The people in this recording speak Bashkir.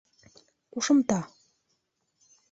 Ҡушымта